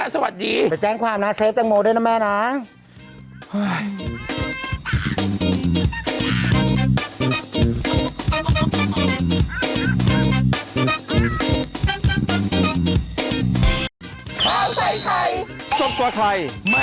สดกว่าไทยไหม้กว่าเดิม